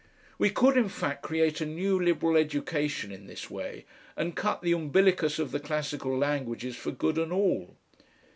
We could in fact create a new liberal education in this way, and cut the umbilicus of the classical languages for good and all.